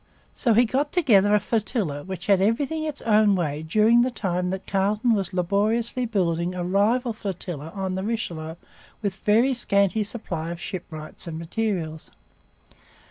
So he got together a flotilla which had everything its own way during the time that Carleton was laboriously building a rival flotilla on the Richelieu with a very scanty supply of ship wrights and materials.